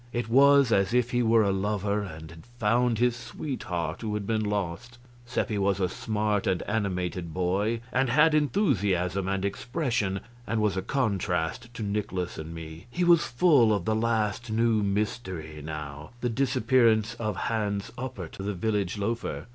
It was as if he were a lover and had found his sweetheart who had been lost. Seppi was a smart and animated boy, and had enthusiasm and expression, and was a contrast to Nikolaus and me. He was full of the last new mystery, now the disappearance of Hans Oppert, the village loafer.